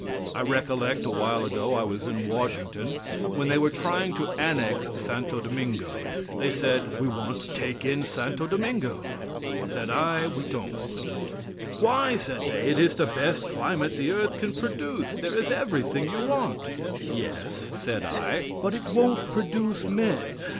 I recollect a while ago I was in Washington when they were trying to annex Santo Domingo. They said: "We want to take in Santo Domingo." Said I: "We don't want it." "Why," said they, "it is the best climate the earth can produce. There is everything you want." "Yes," said I, "but it won't produce men.